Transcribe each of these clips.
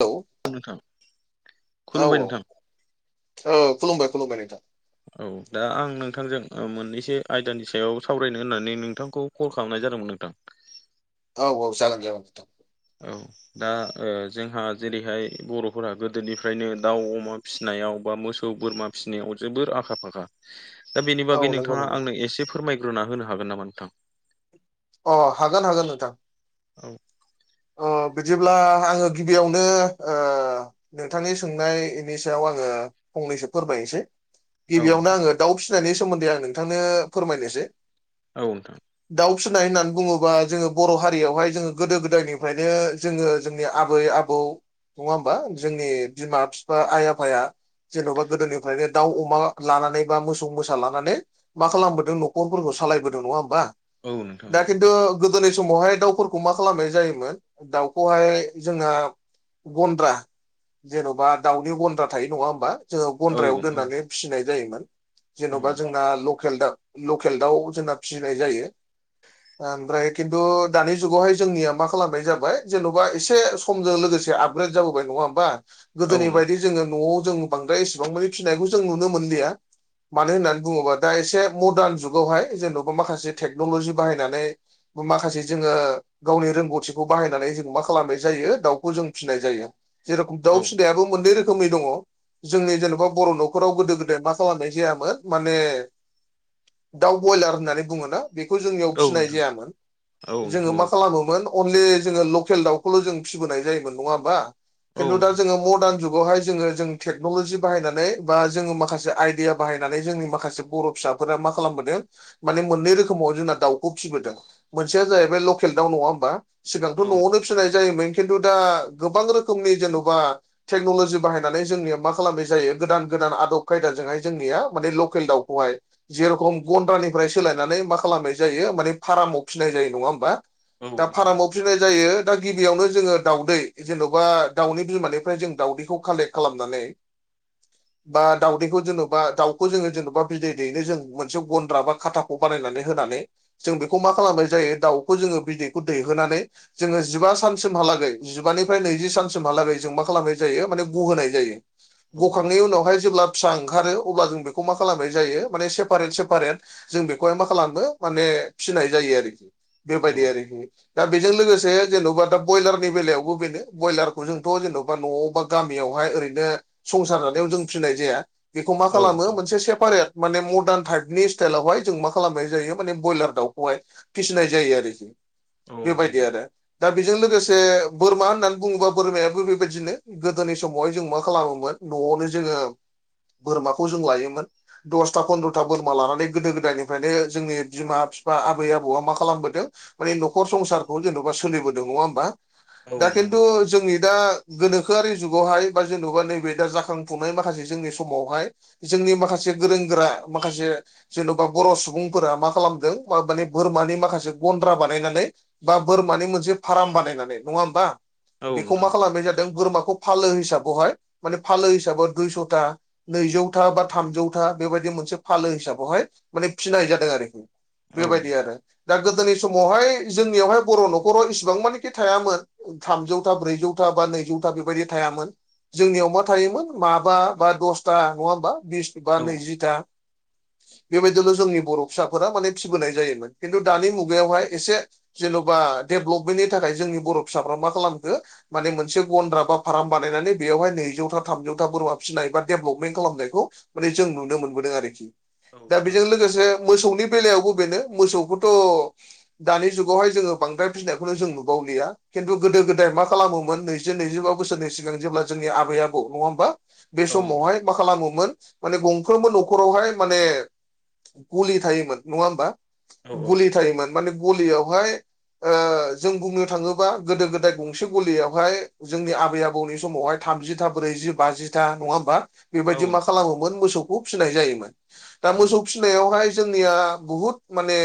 औ नोंथां खुलुमबाय औ नोंथां औ खुलुमबाय खुलुमबाय नोंथां औ दा आं नोंथांजों मोननैसो आयदानि सायाव सावरायनो होननानै नोंथांखौ कल खालामनाय जादोंमोन नोंथां। औ औ जागोन जागोन औ दा ओ जोंहा जेरैहाय बर'फोरा गोदोनिफ्रायनो दाउ अमा फिसिनायाव बा मोसौ बोरमा फिसिनायाव जोबोर आखा फाखा। दा बेनि औ बागै नंगौ नोंथाङा नंगौ आंनो एसे फोरमायग्रोना होनो हागोन नामा नोंथां? अ हागोन हागोन नोंथां औ अ बिदिब्ला आङो गिबियावनो ओ नोंथांनि सोंनायनि सायाव आङो फंनैसो फोरमायनोसै। औ गिबियावनो नोंथां आङो दाउ फिसिनायनि सोमोन्दै आं नोंथांनो फोरमायनोसै। औ नोंथां। दाउ सुनाय होननानै बुङोबा जोङो बर' हारियावहाय जोङो गोदो गोदायनिफ्रायनो जोङो जोंनि आबै आबौ नङा होमबा जोंनि बिमा बिफा आइ आफाया जेन'बा गोदोनिफ्रायनो दाउ अमा लानानै बा मोसौ मोसा लानानै मा खालामबोदों न'खरफोरखौ सालायबोदों नङा होमबा औ नोंथां दा खिन्थु गोदोनि समावहाय दाउफोरखौ मा खालामनाय जायोमोन दाउखौहाय जोंहा गन्द्रा जेन'बा दाउनि गन्द्रा थायो नङा होमबा? जोङो औ गन्द्रायाव नोंथां औ दोननानै फिसिनाय जायोमोन जेन'बा जोंना लकेल दाउ लकेल दाउ जोंना फिसिनाय जायो। ओ ओमफ्राय खिन्थु दानि जुगावहाय जोंनिया मा खालामनाय जाबाय जेन'बा एसे समजों लोगोसे आ जाबोबाय नङा हबा गोदोनि बायदि जोङो न'आव जोंो बांद्राय एसेबां मानानि फिसिनायखौ जों नुनो मोनलिया। मानो होननानै बुङोबा दा एसे मदार्न जुगावहाय जेन'बा माखासे टेक्न'लजि बाहायनानै माखासे जोङो गावनि रोंगौथिखौ बाहायनानै जों मा खालामनाय जायो दाउखौ जों फिसिनाय जायो। जेरखम दाउ फिनायाबो मोननै रोखोमै दङ। जोंनि जेन'बा बर' न'खराव गोदो गोदाय मा खालामनाय जायामोन माने दाउ ब्रयलार होननानै बुङोना बेखौ जोंनियाव नोंथां औ फिसिनाय नोंथां जायामोन औ जोङो मा खालामोमोन न ज लकेल दाउखौ ज' जों फसिोनाय जायोन नङा ह होनबा औ नोंथां औ खिथु दा नोंथां जो मदार्न जुावहाय जोङो जोङो टेक्न'लजि बायनानै बा जोङो माखसेइडिया बायनानै जोंनि माखासे बर' फिसा मा खालामदों माने मोनै रोखोमनि समाव जोंना दाउखौ फिबोदों मोनसेया जाहैबाय लकेल दाउ नङा होमबा? सिगांथ' न'आवनो फिसिनाय जायोमोन खिन्थु दा गोबां रोखोमनि जेन'बा टेक्न'ल'जि बाहायनानै जोंनिया मा खालामनाय जायो गोदान गोदान आदब खायदाजोंहाय जोंनिया माने लकेल दाउखौहाय जेरखम घन्टानिफ्राय सोलायनानै माखासे खालामनाय जायो मा फार्माव फिनाय जायो नङा हबा दा फारम उथ्रिनाय जायो दा गिबियावनो जोङो दाउदै जेन'बा दाउनि बिमानिफ्राय जों दाउदैखौ कालेक्ट खालामनानै [inaudible] बा दाउदैखौ जेन'बा दाउखौ जोङो जेनेबा बिदै दैैनो जों मोनसे गन्द्रा बा खाथाखौ बानायनानै होनानै जों बेखौ मा खालामनाय जायो दाउखौ जोङो बिदैखौ दैहोनानै जोङो जिबा सानसिमहालागै जिबानिफ्राय नैजि सानसिमहालागै जों मा खालामनाय जायो माने गहोनाय जायो। औ नोंथां औ नोंथां औ नोंथां गखांनायनि उनावहाय जेब्ला फिसा ओंखारो अब्ला जों बेखौ मा खालामनाय जायो माने सेपारेट सेपारेट जों बेखौहाय मा खालाम माने फिसिनाय जायो आरोखि बेबायदि औ आरोखि। दा बेजों लोगोसे जेन'बा दा ब्रयलारनि बेलायावबो बेनो ब्रयलारखौ जोंथ' जेन'बा न'आवबा गामियावहाय ओरैनो संसार जानायाव जों फिनाय जाया। बेखौ मा खालामो मोनसे सेपारेट माने मदार्न थार्दनि स्टाइलावहाय जों मा खालामो? ज माने ब्रयलार दाउखौहाय फिसिनाय जायो आरोखि औ बेबायदि आरो। दा बेजों लोगोसे बोरमा होननानै बुङोबा बोरमायाबो बेबायदिनो। गोदोनि समावहाय जों मा खालामोमोन न'आवनो जोङो। बोरमाखौ जों लायोमोन दसथा फन्द्रथा बोरमा लानानै गोदो गोदायनिफ्रायनो जोंनि बिमा बिफा आबै आबौआ मा खालामबोदों। माने न'खर संसारखौ जेन'बा सोलिबोदों नङा होमबा दा नोंथां औ खिन्थु जोंनि दा गोनोखोआरि जुगावहाय बा जेन'बा नैबे दा जाखांफुनाय माखासे जोंनि समावहाय जोंनि माखासे गोरों गोरा माखासे जेन'बा बर' सुबुं फोर मा खालामदों माने बोरमानि माखासे गन्द्रा बानायनानै। बा बोरमानि मोनसे फार्म बानायनानै नङा होमबा औ बेखौ नोंथां मा खालामनाय जादों बोरमाखौ। फालो हिसाबावहाय माने फालो हिसाबाव दुइस'था नैजौथा बा थामजौथा बेबायदि मोनसे फालो हिसाबावहाय माने फिनाय जाथ जादों आरोखि औ बेबायदि आरो दा गोदोनि समावहाय जोंनियावहाय बर' न'खराव इसिबां मानखि थायामोन। थामजौथा ब्रैजौथा बा नैजौथा बेबायदि थायामोन जोंनियाव मा थायोमोन माबा बा दसथा नङा होमबा बिस बा औ नैजिथा बेबायदिनो जोंनि बर' फिसाफोरा माने फिबोनाय जायोमोन खिन्थु दानि मुगायावहाय एसे जेन'बा डेभलपमेन्टनि थाखाय जोंनि बर' फिसाफ्रा मा खालामखो। माने मोनसे गन्द्रा बा फार्म बानायनानै बेवहाय नैजौथा थामजौथा बोरमा फिसिनाय बा डेभलपमेन्ट खालामनायखौ। माने जों नुनो मोनबोदों आरोखि दा नोंथां बेजों लोगोसे मोसौनि बेलायावबो बेनो मोसौखौथ'। दानि जुगावहाय जोङो बांराय फिनायखौनो जों नुबावलिया खिन्थु गोदो गोदाय मा खालामोमोन नै जि नैजिबा बोसोरनि सिगां जेब्ला जोंनि आै आबौ नङा होमबा। बे औ नोंथां समावहाय मा खालामोमोन माने गंफ्रोमबो न'खरावहाय माने। गलि थायोमोन नङा होमबा औ गलि थायोमोन माने गलियावहाय जों बुंनो थाङोबा गोदो गोदाय गंसे गलियावहाय जोंनि आबै आबौनि समावहाय थामजिथा ब्रैजि बाजिथा नङा होमबा? औ बेबायदि मा खालामोमोन मोसौखौ फिसिनाय जायोमोन दा औ मोसौ फिसिनायाव। जया बुहुत माने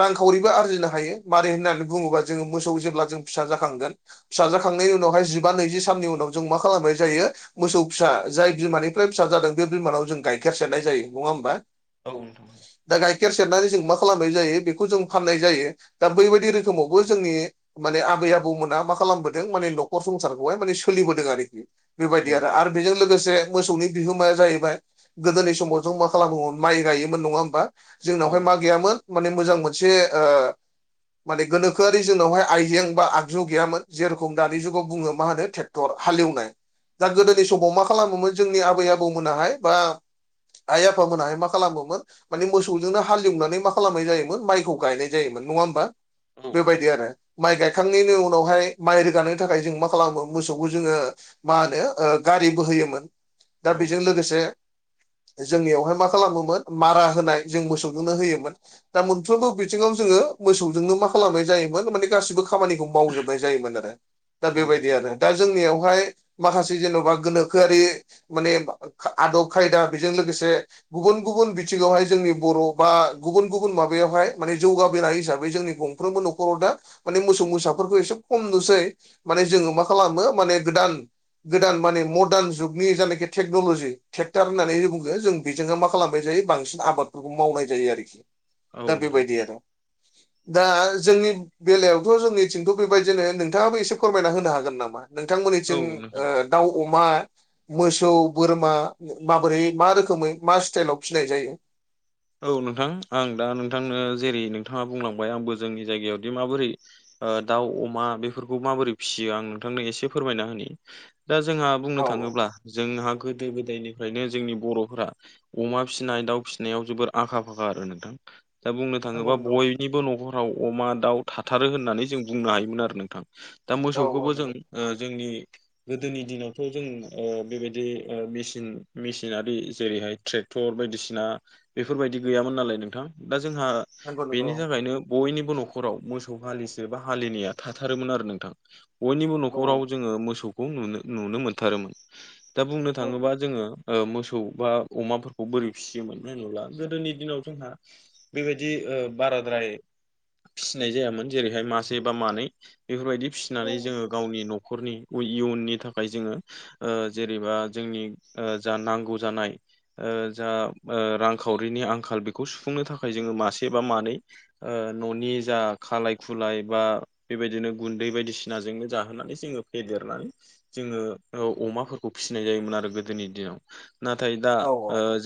रांखावरिबो आरजिनो हायो मारै होननानै बुङोबा जोङो मोसौ जेब्ला जों फिसा जाखांगोन। फिसाजाखांनायनि उनावहाय जिबा नैजि साननि उनाव जों मा खालामनाय जायो। मोसौ फिसा जाय बिमानिफ्राय फिसा जादों बे बिमानाव जों गाइखेर सेरनाय जायो नङा होमबा। औ नोंथां। दा गाइखेर सेरनानै जों मा खालामनाय जायो बेखौ जों फाननाय जायो दा बैबायदि रोखोमावबो जोंनि। माने आबै आबौमोना मा खालामबोदों माने नखर संसारखौहाय माने सोलिबोदों आरोखि। बेबायदि औ आरो बेजों लोगोसे मोसौनि बिहोमाया जाहैबाय गोदोनि समाव जों मा खालामोन माइ गायो। नङा होमबा औ जोंनावहाय मा नोंथां गैयामोन माने मोजां मोनसे। माने गोनोआि जोंनावहाय आइजें बा आगजु गैयामोन जेरखम दानि जुगाव बुो म होनो थे र हालेवनाय दा गोदोनि समाव मा खालामोमोन जोंनि आबै आबौमोनाहाय बा आइ आफामोनाहाय मा खालामगौमोन। माने मोसौजोंनो हालेवनानै मा खालामनाय जायोमोन माइखौ गायनाय जायोमोन नङा होमबा। बेबायदि आरो। माइ गायखांनायनि उनावहाय माइ रोगानायनि थाखाय जों मा खालामो मोसौखौ जोङो। मा होनो गारि बो होयोमोन। दा औ बेजों लोगोसे जोंनियावहाय मा खालामोमोन। मारा होनाय जों मोसौजोंनो होयोमोन। दा मोनफ्रोमबो बिथिङाव जोङो मोसौजोंनो मा खालामनाय जायोमोन माने गासिबो खामानिखौ। मावजोबनाय जायोमोन आरो दा औ बेबायदि नोंथां आरो। दा जोंनिआवहाय माखासे जेन'बा गोनोखोआरि मानि आदब खायदा बेजों लोगोसे गुबुन गुबन गुबुन बिथिंआवहाय जोंनि बर' बा गुबुन गुबुन माबायावहाय माने जौगाबोनाय हिसाबै जोंनि खौ गंफ्रोमबो न'खराव दा माने मोसौ मोसाफोरखौ एसे खम नुसै माने जोङो मा खालामो माने गोदान गोदान माने मरदान जुगनि जानाखि टेक्न'लजि ट्रेक्टार होननानै बुङो जों बेजोंनो माखासे खालामनाय जायो बांसिन आबादफोरखौ मावनाय जायो आरिखि दा औ बेबायदि आरो दा जोंनिहो‌ बेलायावथ' जोंनिथिंबो बेबादिनो नोंथांआबो एसे फोरमायना होनो हागोन नामा नोंथांमोननिथिं नोंथां ओ दाउ अमा मोसौ बोरमा माबोरै मा रोखोमै मा स‌ लेलदाल फिनाय जायो औ नोंथां आं दा नोंथांनो जेरै नोंथांआ बुंलांबाय आंबो जोंनि जायगाआवदि माबोरै ओ दाउ अमा बेफोरखौ माबोरै फियो आं नोंथांनो एसे फोरमायना होननि दा जोंहा बुंनो औ औ थाङोब्ला जोंहा गोदो गोदायनिफ्रायनो जोंनि बर'फ्रा अमा फिसिनाय दाउ फिसिनायाव जोबोर आखा फाखा आरो नोंथां दा बुंनो नंगौ थाङोबा नंगौ बय निबो न'फोराव अमा दाउ थाथारो होननानै जों बुंनो हायोमोन आरो नोंथां दा औ औ मोसौखौबो जों नंगौ ओ जोंनि गोदोनि दिनावथ' जों ओ बेबायदि मेसिन मेसिनारि जेरैहाय ट्रेक क्टर बायदिसिना बेफोरबादि गैयामोन नालाय नोंथां दा जोंहा नंगौ बेनि नंगौ थाखायनो बयनिबो न'खराव मोसौ हालिसे बा हालिनैआ थाथारोमोन आरो नोंथां बयनिबो औ न'खराव जोङो मोसौखौनो नुनो मोनथारोमोन दा बुंनो औ थाङोब्ला जोङो ओ मोसौ बा अमाफोरखौ बोरै फिसियोमोन होनोब्ला गोदोनि दिनाव जोंहा बेबायदि ओ‌ बाराद्राय फिसिनाय जायामोन जेरैहाय मासे बा मानै बेफोरबादि फिसिनानै जोङो गावनि न'खर न'खरनि इयुननि थाखाय जोङो ओ जेरैबा जोंनि ओ जा नांगौ जानाय जा रां खावरिनि आंखाल बेखौ सुफुंनो थाखाय जोङो मासे बा मानै ओ न'नि जा खालाय खुलाय बा बेबायदिनो गुन्दै बायदिसिनाजोंनो जाहोनानै जोङो फेदेरनानै जोङो औ अमाफोरखौ फिसिनाय जायोमोन आरो गोदोनि दिनाव नाथाय ओ दा औ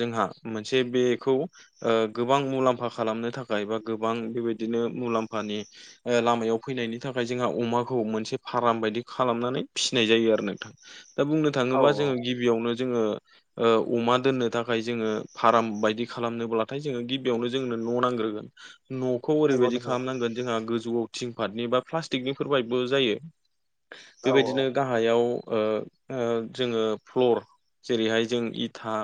जोंहा मोनसे बेखौ ओ गोबां मुलाम्फा खालामनो थाखाय बा गोबां बेबायदिनो मुलाम्फानि ओ लामायाव फैनायनि थाखाय जोंहा अमाखौ मोनसे फार्म बादि खालामनानै फिसिनाय जायो आरो नोंथां दा बुंनो औ थाङोबा औ जोङो गिबिआवनो जोङो ओ अमा दोननो थाखाय जोङो फार्म बायदि खालामनोब्लाथाय जोङो गिबिआवनो जोंनो न' नांग्रोगोन न' न'खौ नंगौ ओरैबादि नंगौ खालामनांगोन जोंहा गोजौआव थिंफाटनि बा प्लास्टिकनिफोर बायबो जायो औ बेबायदिनो गाहायाव ओ जोङो फ्ल'र जेरैहाय जों इथा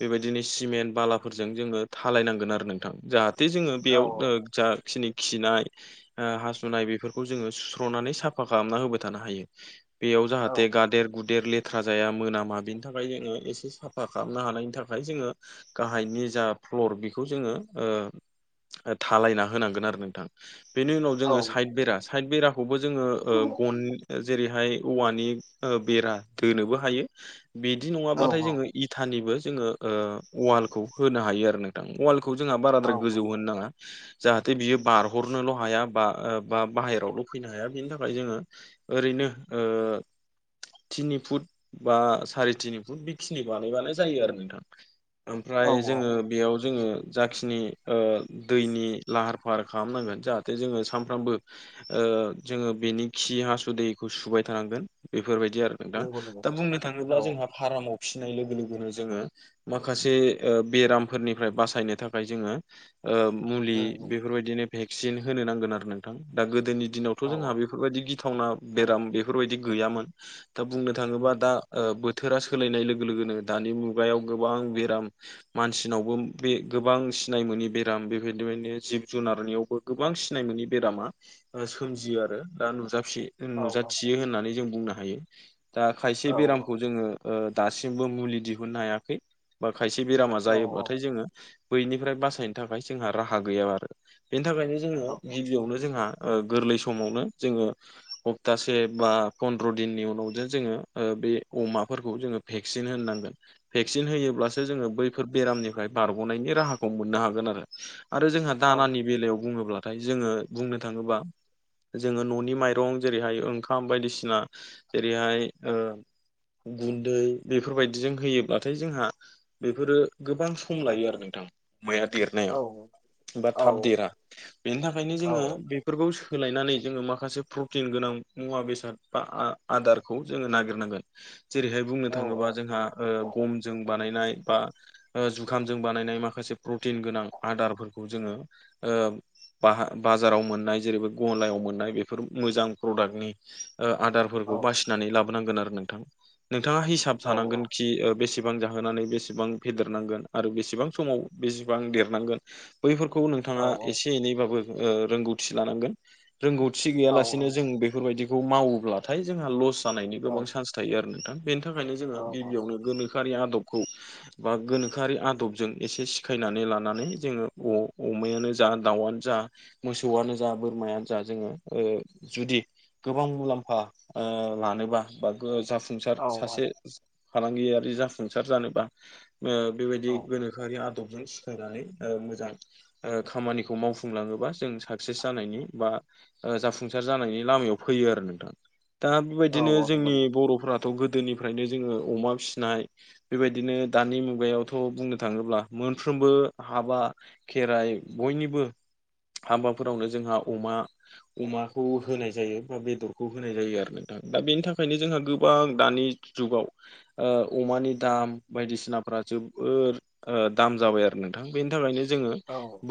बेबायदिनो सिमेन्ट बालाफोरजों जोङो डहालायनांगोन आरो नोंथां जाहाथे जोङो बेयाव ओ जा खिनि खिनाय ओ हासुनाय बेफोरखौ जोङो सुस्र'नानै साफा खालामना होबाय थानो हायो बेयाव औ जाहाथे गादेर गुदेर देर लेथ्रा जाया मोनामा बेनि थाखाय जोङो एसे साफा खालामनो हानायनि थाखाय जोङो गाहायनि जा फ्लर बेखौ जोङो ओ डहालायना होनांगोन आरो नोंथां हो बेनि उनाव जोङो औ साइथ बेरा साइथ बेराखौबो जोङो ओ औ गन‌नि‌ ओ जेरैहाय औवानि ओ बेरा दोनोबो हायो बिदि औ नङाब्लाथाय जोङो इथानिबो जोङो ओ वालखौ होनो हायो आरो नोंथां वाल खौ जोंहा औ बाराद्राय औ गोजौ होनो नङा जाहाथे बियो बारहरनोल' हाया बा बा बाहेरायावल' फैनो हाया बेनि थाखाय जोङो ओरैनो ओ तिनि फुट बा साराय तिनि फुट बेखिनि बानाय बानाय जायो आरो नोंथां। औ ओमफ्राय औ जोङो बेयाव जोङो जाखिनि दैनि लाहार फाहार खालामनांगोन जाहाथे जोङो सानफ्रामबो जोङो बेनि खि हासु दैखौ सुबाय थानांगोन बेफोरबायदि आरो नोंथां नंगौ नंगौ दा बुंनो औ थाङोब्ला जोंहा फारामाव फिसिनाय लोगो लोगोनो जोङो मा माखासे बेरामफोरनिफ्राय बासायनो थाखाय जोङो औ मुलि बेफोरबायदिनो भेक्सिन होनो नांगोन आरो नोंथां दा गोदोनि दिनावथ' औ जोंहा बेफोरबायदि गि थावना बेराम बेफोरबायदि गैयामोन दा बुंनो थाङोबा दा बोथोरा सोलायनाय लोगो लोगोनो दानि मुगायाव गोबां बेराम मानसिनावबो बे गोबां सिनाय मोनि बेराम बेबायदिनो जिब जुनारनियावबो गोबां सिनाय मोनोनि बेरामा सोमजियो आरो दा नुजाफि जों औ औ नुजाथियो होननानै जों बुंनो हायो। दा औ खायसे बेरामखौ जोङो दासिमबो मुलि दिहुननो हायाखै। बा खायसे बेरामा औ जायोब्लाथाय जोङो बैनिफ्राय बासायनो थाखाय जोंहा राहा गैया आरो। बेनि थाखायनो जोङो औ गिबियावनो जोंहा गोरलै समावनो जोङो हप्तासे बा फनन्द्र दिननि उनाव ज जोङो बे अमाफोरखौ जोङो भेक्सिन होननांगोन भेक्सिन होयोब्ला जे जोङो बैफोर बेरामनिफ्राय बारनायनि राहाखौ मोननो हागोन आरो जोंहा औ दानानि बेलायाव बुङोब्लाथाय जोङो बुंनो थाङोबा जोङो न'नि माइरं जेरैहाय ओंखाम बायदिसिना जेरैहाय गुन्दै बेफोरबायदिजों होयोब्लाथाय जोंहा बेफोरो गोबां सम लायो आरो नोंथां मैया देर नाव बा थाब देरा बेनि थाखायनो जोङो बे बेफोरखौ सोलायनानै जोङो माखासे प्रटिन गोनां मुवा बेसाद बा आदारखौ जोङो नागिरनांगोन। जेरैहाय बुंनो औ औ औ थाङोबा जोंहा गमजों बानायनाय बा जुखामजों बानायनाय माखासे प्रटिन गोनां आदारफोरखौ जोङो ओ बा बाजाराव मोननाय जेरैब गलायाव मोननाय बेफोर मोजां प्रडाक्टनि औ आदारफोरखौ बासिनानै लाबोनांगोन आरो नोंथां। नोंथाङा हिसाब थानांगोन नंगौ कि बेसेबां जाहोनानै बेसेबां बेसेबां फेदेरनांगोन आरो बेसेबां समाव बेसेबां देरनांगोन। बैफोरखौ नोंथाङा नंगौ एसे एनैबाबो रोंगौथि लानांगोन। रोंगौथि औ गैयालासिनो जों बेफोरबायदिखौ मावोब्लाथाय जोंहा लस जानायनि औ गोबां चान्स थायो आरो नोंथां बेनि थाखायनो जोङो नंगौ नंगौ गिबियावनो गोनोखोआरि आदबखौ बा गोनोखोआरि आदबजों एसे सिखायनानै लानानै जोङो अमायानो जा दाउआनो जा मोसौआनो जा बोरमायानो जा जोङो जुदि गोबां मुलाम्फा लानोबा बा जाफुं जाफुंसार सासे फालांगियारि जाफुंसार जानोबा बेबायदि औ गोन दोखोआरि आदबजों सिखायनानै मोजां खामानिखौ मावफुंलाङोबा जों साक्सेस जानायनि बा जाफुंसार जानायनि लामायाव फैयो आरो नोंथां। दा औ बेबायदिनो नंगौ जोंनि नंगौ बर'फथ' गोदोनिफ्रायनो जोङो अमा फिसिनाय बेबायदिनो दानि मुगायावथ' बुंनो थाङोब्ला मोनफ्रोमबो हाबा खेराइ बयनिबो हाबाफोरावनो जोंहा अमा अमाखौ होनाय जायो बा बेदरखौ होनाय जायो आरो नोंथां दा बेनि थाखायनो जोंहा गोबां दानि जुगाव अमानि दाम बायदिसिनाफ्रा जोबोद दाम जाबाय आरो नोंथां बेनि थाखायनो जोङो बै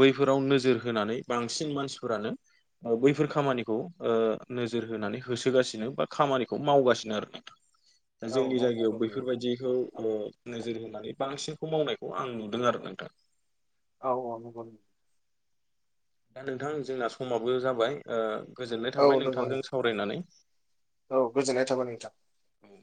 बे फोराव नोजोर होनानै बांसिन मानसिफोरानो बैफोर खामानिखौ नोजोर होनानै होसोगासिनो बा खामानिखौ मावगासिनो आरो दा जोंनि जायगायाव बैफोरबायदिखौ नोजोर होनानै बांसिनखौ मावनायखौ आं नुदों आरो नोंथां। औ औ दा नोंथां जोंना समाबो जाबाय गोजोननाय औ थाबाय नंगौ नंगौ नोंथांजों सावरायनानै। औ गोजोननाय थाबाय नोंथां। औ